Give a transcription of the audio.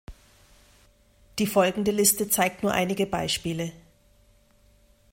Die folgende Liste zeigt nur einige Beispiele.